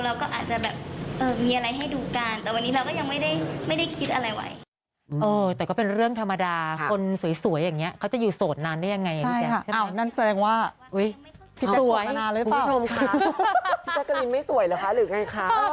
เราก็อาจจะแบบมีอะไรให้ดูกันแต่วันนี้เราก็ยังไม่ได้คิดอะไรไว้